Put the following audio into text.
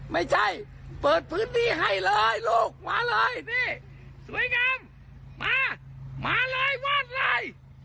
ไม่ใช่เปิดพื้นที่ให้เลยลูกมาเลยนี่สวยงามมามาเลยวอดเลย